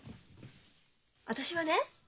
私はね